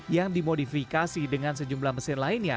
yang dimodifikasi dengan sejumlah mesin lainnya